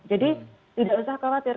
jadi tidak usah khawatir